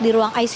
di ruang icu